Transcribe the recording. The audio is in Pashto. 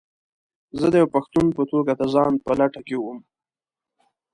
زه د یوه پښتون په توګه د ځاى په لټه کې وم.